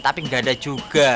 tapi nggak ada juga